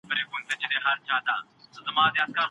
املا د زده کوونکو پر ځان باور د زیاتوالي لامل کېږي.